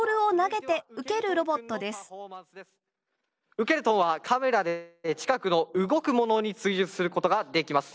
ウケルトンはカメラで近くの動くものに追従することができます。